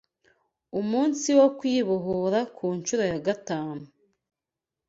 umunsi wo kwibohora ku nshuro ya gatanu